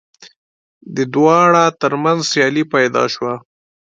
د دواړو تر منځ سیالي پیدا شوه